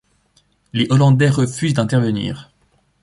Les Hollandais refusent d'intervenir.